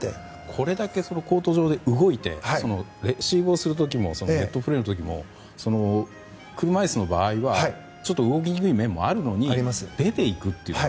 これだけコート上で動いてレシーブをする時もネットプレーの時も車いすの場合はちょっと動きにくい面もあるのに出ていくというか。